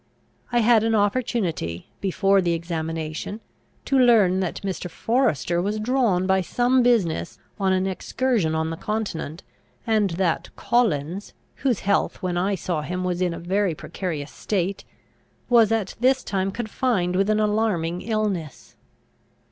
I had an opportunity, before the examination, to learn that Mr. Forester was drawn by some business on an excursion on the continent; and that Collins, whose health when I saw him was in a very precarious state, was at this time confined with an alarming illness.